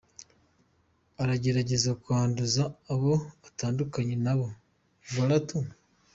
Aragerageza kwanduza abo yatandukanye nabo, voilÃ tout.